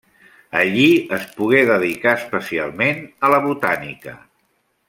Allí es pogué dedicar especialment a la botànica.